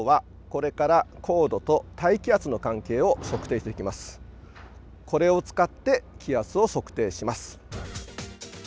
これを使って気圧を測定します。